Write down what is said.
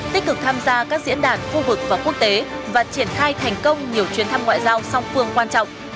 tích cực tham gia các diễn đàn khu vực và quốc tế và triển khai thành công nhiều chuyến thăm ngoại giao song phương quan trọng